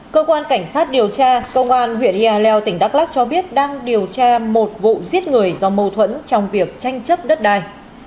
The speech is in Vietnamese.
cơ quan cảnh sát điều tra công an huyện yà lèo tỉnh đắk lắk cho biết đang điều tra một vụ giết người do mâu thuẫn trong việc tranh chấp đất đài